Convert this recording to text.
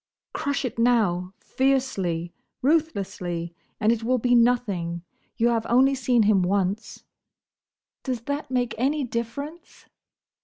"Crush it now! Fiercely! ruthlessly! and it will be nothing. You have only seen him once—" "Does that make any difference?"